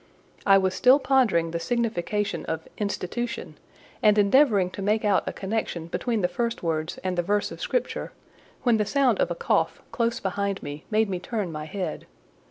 I was still pondering the signification of "Institution," and endeavouring to make out a connection between the first words and the verse of Scripture, when the sound of a cough close behind me made me turn my head.